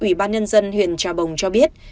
ủy ban nhân dân huyện trà bồng cho biết